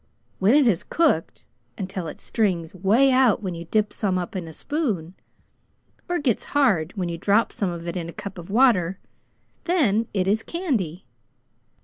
When it has cooked until it strings 'way out when you dip some up in a spoon, or gets hard when you drop some of it in a cup of water, then it is candy.